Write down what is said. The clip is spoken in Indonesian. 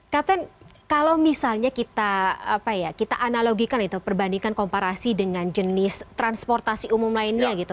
kapten kalau misalnya kita analogikan itu perbandingkan komparasi dengan jenis transportasi umum lainnya gitu